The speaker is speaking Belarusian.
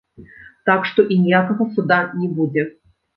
Так што і ніякага суда не будзе.